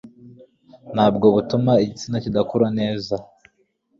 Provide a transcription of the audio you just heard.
nabwo butuma igitsina kidakura neza